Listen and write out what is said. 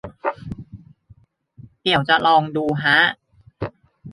เดี๋ยวจะลองดูฮะ